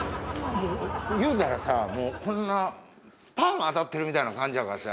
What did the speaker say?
もう言うたらさこんなパーマ当たってるみたいな感じやからさ